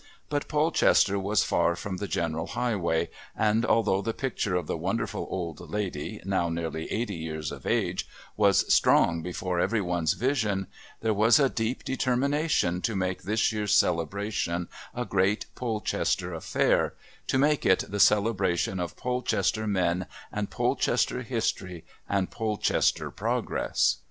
But Polchester was far from the general highway and, although the picture of the wonderful old lady, now nearly eighty years of age, was strong before every one's vision, there was a deep determination to make this year's celebration a great Polchester affair, to make it the celebration of Polchester men and Polchester history and Polchester progress.